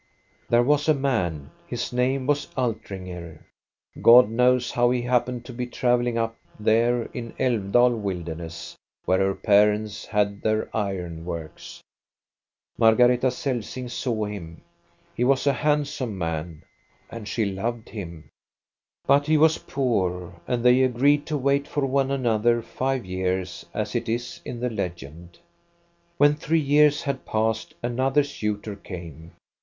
" There was a man, his name was Altringer. God knows how he happened to be travelling up there in Alfdal wildernesses, where her parents had their iron works. Margareta Celsing saw him ; he was a hand some man, and she loved him. " But he was poor, and they agreed to wait for one another five years, as it is in the legend. When three years had passed another suitor came.